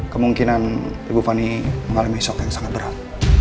kemungkinan ibu fani mengalami shock yang sangat berat